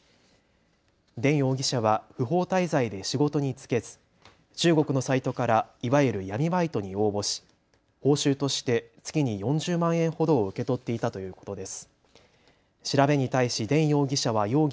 田容疑者は不法滞在で仕事に就けず、中国のサイトからいわゆる闇バイトに応募し報酬として月に４０万円ほどを受け取っていたということです。